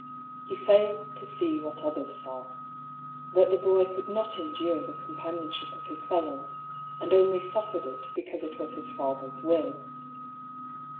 He failed to see what others saw — that the boy could not endure the companionship of his 160 DR. PAULL'S THEORY. fellows, and only suffered it because it was Us father's will.